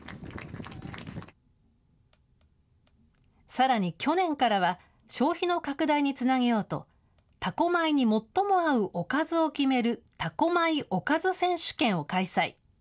さらに去年からは、消費の拡大につなげようと、多古米に最も合うおかずを決める、多古米おかず選手権を開催。